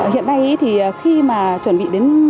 hiện nay thì khi mà chuẩn bị đến